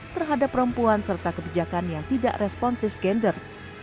terhadap perempuan serta kebijakan yang tidak responsif gender